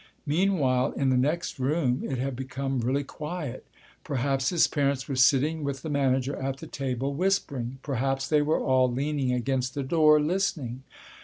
Meanwhile in the next room it had become really quiet. Perhaps his parents were sitting with the manager at the table whispering; perhaps they were all leaning against the door listening.